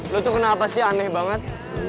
lo tuh kenapa sih aneh banget